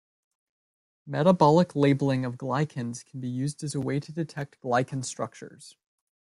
Metabolic labeling of glycans can be used as a way to detect glycan structures.